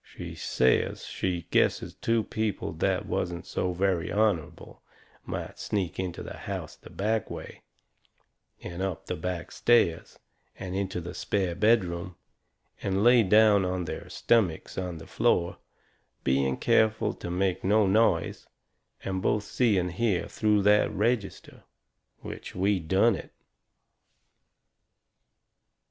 She says she guesses two people that wasn't so very honourable might sneak into the house the back way, and up the back stairs, and into the spare bedroom, and lay down on their stummicks on the floor, being careful to make no noise, and both see and hear through that register. Which we done it.